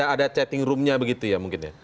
ada chatting roomnya begitu ya mungkin ya